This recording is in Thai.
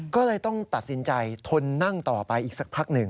ก็เลยต้องตัดสินใจทนนั่งต่อไปอีกสักพักหนึ่ง